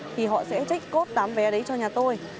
thì họ sẽ trách code tám vé đấy cho nhà tôi